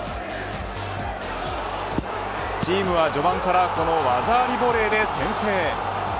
チームは序盤からこの技ありボレーで先制。